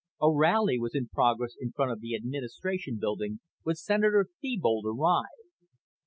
A rally was in progress in front of the Administration Building when Senator Thebold arrived.